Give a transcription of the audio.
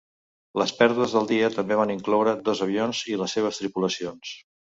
Les pèrdues del dia també van incloure dos avions i les seves tripulacions.